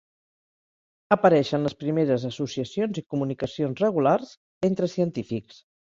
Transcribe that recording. Apareixen les primeres associacions i comunicacions regulars entre científics.